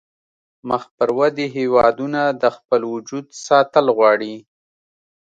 مخ پر ودې هیوادونه د خپل وجود ساتل غواړي